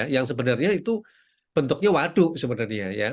yang sebenarnya itu bentuknya waduk sebenarnya ya